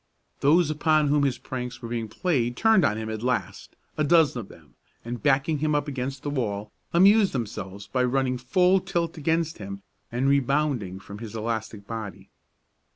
Those upon whom his pranks were being played turned on him at last, a dozen of them, and backing him up against the wall, amused themselves by running full tilt against him and rebounding from his elastic body.